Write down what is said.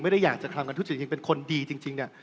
ไม่ได้อยากทำจากการทุจริงเป็นคนดีจริง